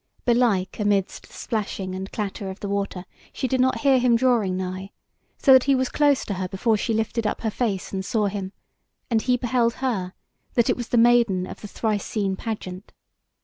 Belike amidst the splashing and clatter of the water she did not hear him drawing nigh, so that he was close to her before she lifted up her face and saw him, and he beheld her, that it was the maiden of the thrice seen pageant.